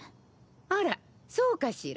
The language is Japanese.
あらそうかしら？